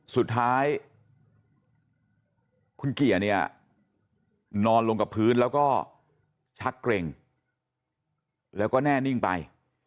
สุดท้ายคุณเกียร์เนี่ยนอนลงกับพื้นแล้วก็ชักเกร็งแล้วก็แน่นิ่งไป